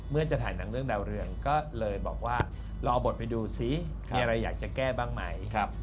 จะถ่ายหนังเรื่องดาวเรืองก็เลยบอกว่ารอบดไปดูซิมีอะไรอยากจะแก้บ้างไหม